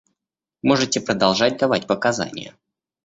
Можете продолжать давать показания.